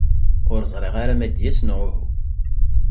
Ur ẓriɣ ara ma ad d-yas neɣ uhu.